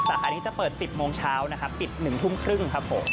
แต่อันนี้จะเปิด๑๐โมงเช้านะครับปิด๑ทุ่มครึ่งครับผม